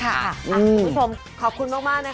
คุณผู้ชมขอบคุณมากนะคะ